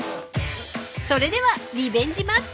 ［それではリベンジマッチ］